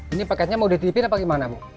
ini paketnya mau dititipin apa gimana ibu